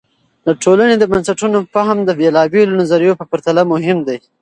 د ټولنې د بنسټونو فهم د بېلابیلو نظریو په پرتله مهم دی.